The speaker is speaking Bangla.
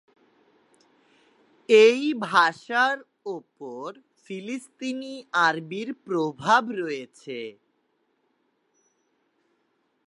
এই ভাষার উপর ফিলিস্তিনি আরবির প্রভাব রয়েছে।